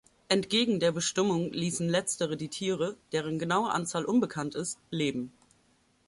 Entgegen der Bestimmung ließen Letztere die Tiere, deren genaue Anzahl unbekannt ist, leben.